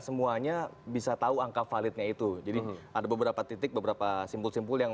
semuanya bisa tahu angka validnya itu jadi ada beberapa titik beberapa simpul simpul yang